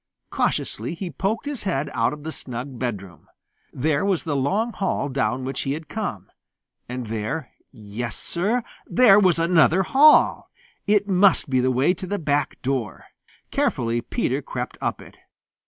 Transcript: Cautiously he poked his head out of the snug bedroom. There was the long hall down which he had come. And there yes, Sir, there was another hall! It must be the way to the back door. Carefully Peter crept up it.